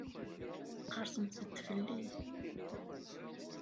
Tqerrsemt-d fell-i.